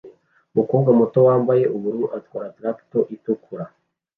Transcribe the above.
Umukobwa muto wambaye ubururu atwara traktor itukura